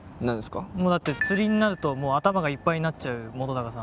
もうだって釣りになると頭がいっぱいになっちゃう本さん。